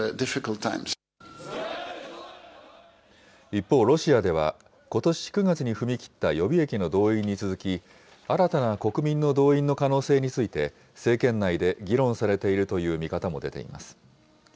一方、ロシアでは、ことし９月に踏み切った予備役の動員に続き、新たな国民の動員の可能性について、政権内で議論されているという見方も出ています。